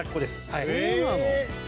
はい。